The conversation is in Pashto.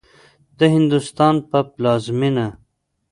د هندوستان په پلازمېنه